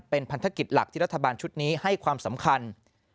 เป็นพันธกิจหลักที่รัฐบาลชุดนี้ให้ความสำคัญ